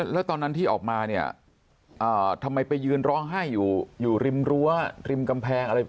แล้วตอนนั้นที่ออกมาเนี่ยทำไมไปยืนร้องไห้อยู่ริมรั้วริมกำแพงอะไร